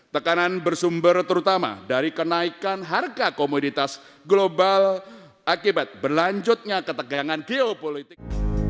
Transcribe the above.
tekanan bersumber terutama dari kenaikan harga komoditas global akibat berlanjutnya ketegangan geopolitik